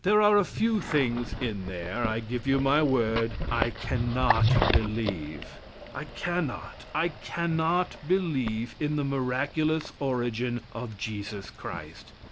There are a few things in there, I give you my word, I cannot believe. I cannot I cannot believe in the miraculous origin of Jesus Christ.